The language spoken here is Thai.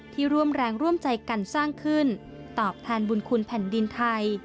ร่วมแรงร่วมใจกันสร้างขึ้นตอบแทนบุญคุณแผ่นดินไทย